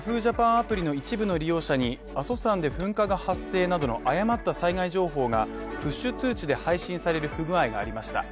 アプリの一部の利用者に阿蘇山で噴火が発生などの誤った災害情報がプッシュ通知で配信される不具合がありました